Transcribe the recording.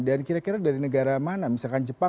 dan kira kira dari negara mana